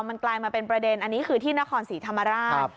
มันกลายมาเป็นประเด็นอันนี้คือที่นครศรีธรรมราช